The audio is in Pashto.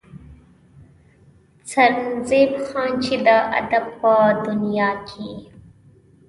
سرنزېب خان چې د ادب پۀ دنيا کښې